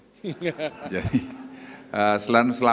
jadi selama berapa hari terakhir ini saya kebetulan sering sekali dengan md legar